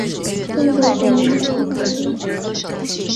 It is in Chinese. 中国国民党党员。